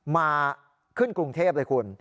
มาขึ้นกรุงเทพเลยคุณ